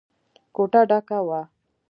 کوټه ډکه وه.